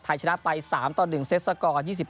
ไทยชนะไป๓ตอน๑เซตสก๒๕๒๓๑๘๒๕๒๕๑๘